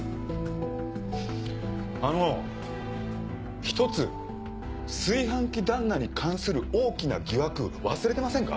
あの１つ炊飯器旦那に関する大きな疑惑忘れてませんか？